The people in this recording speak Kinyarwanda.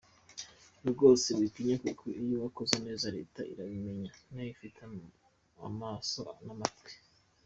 Rwose witinya kuko iyo wakoze neza leta irabimenya nayo ifite amaso n’amatwi.